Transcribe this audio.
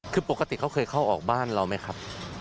คือปกติเขาเคยเข้าออกบ้านเราไหมครับ